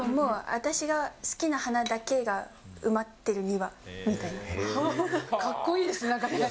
私が好きな花だけ埋まってる庭って。